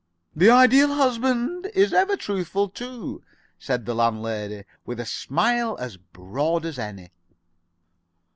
"The Ideal Husband is ever truthful, too," said the landlady, with a smile as broad as any.